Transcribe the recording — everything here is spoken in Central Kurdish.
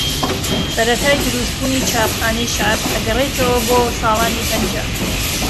سەرەتای دروستبوونی چایخانەی شەعب ئەگەرێتەوە بۆ ساڵانی پەنجا